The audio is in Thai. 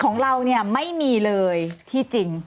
ของเราเนี่ยไม่มีเลยที่จริง